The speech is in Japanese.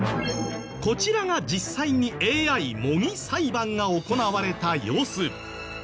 こちらが実際にＡＩ模擬裁判が行われた様子。